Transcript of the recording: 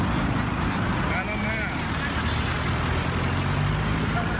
แล้วก็กลับมาแล้วก็กลับมา